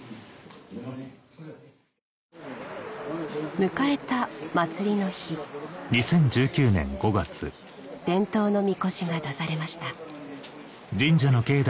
迎えた祭りの日伝統の神輿が出されました